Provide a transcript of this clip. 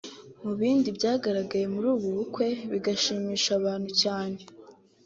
Mu bindi byagaragaye muri ubu bukwe bigashimisha abantu cyane